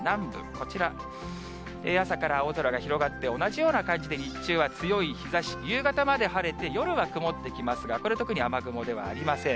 こちら、朝から青空が広がって、同じような感じで、日中は強い日ざし、夕方まで晴れて、夜は曇ってきますが、これ、特に雨雲ではありません。